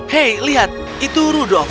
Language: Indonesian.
hei lihat itu rudolph